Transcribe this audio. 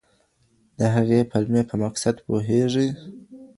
د هغې پلمې په مقصد پوهېږئ؟